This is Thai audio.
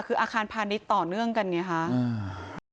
คืออาคารพาณิชย์ต่อเนื่องกันอย่างนี้ค่ะ